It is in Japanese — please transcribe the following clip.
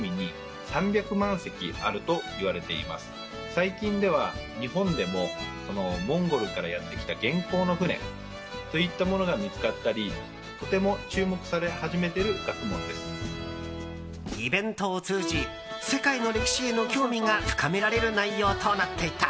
最近では日本でもモンゴルからやってきた元寇の船といったものが見つかったりとても注目され始めているイベントを通じ世界の歴史への興味が深められる内容となっていた。